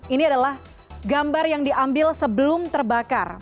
ini adalah gambar yang diambil sebelum terbakar